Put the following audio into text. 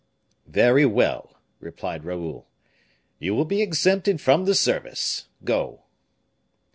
"Very well," replied Raoul; "you will be exempted from the service. Go."